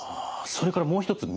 それからもう一つ